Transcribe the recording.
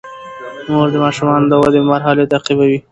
مور د ماشومانو د ودې مرحلې تعقیبوي.